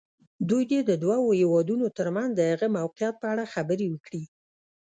دوی دې د دوو هېوادونو تر منځ د هغه موقعیت په اړه خبرې وکړي.